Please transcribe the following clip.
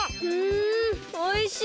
んおいしい！